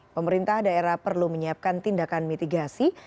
pemerintah daerah perlu menyiapkan tindakan mitigasi